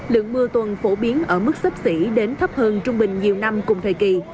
lượng mưa tuần phổ biến ở mức sấp xỉ đến thấp hơn trung bình nhiều năm cùng thời kỳ